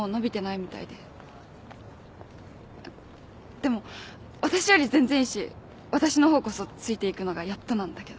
でも私より全然いいし私の方こそついていくのがやっとなんだけど。